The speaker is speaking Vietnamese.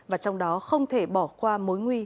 và trong đó không thể bỏ qua mối nguy